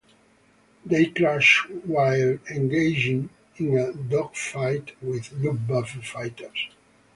They crash while engaging in a dogfight with Luftwaffe fighters.